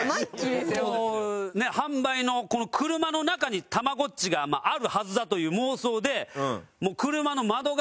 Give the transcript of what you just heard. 販売のこの車の中にたまごっちがあるはずだという妄想で。